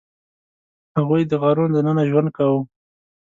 هغوی د غارونو دننه ژوند کاوه.